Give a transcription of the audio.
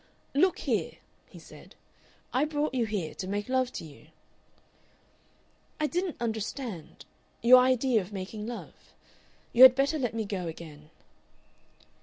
"Look here," he said, "I brought you here to make love to you." "I didn't understand your idea of making love. You had better let me go again."